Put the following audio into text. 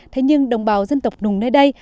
thế nhưng đồng bào dân tộc nùng nơi đây